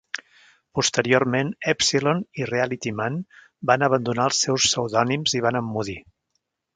Posteriorment, "Epsilon" i "RealityMan" van abandonar els seus pseudònims i van emmudir.